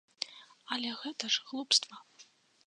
Але гэта ж глупства.